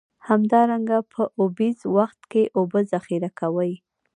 همدارنګه په اوبیز وخت کې اوبه ذخیره کوي.